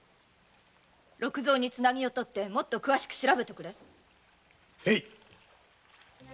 六造と連絡をとってもっと詳しく調べとくれ。